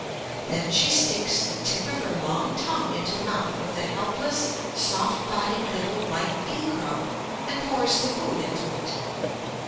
Then she sticks the tip of her long tongue into the mouth of the helpless, soft bodied little white bee grub and pours the food into it.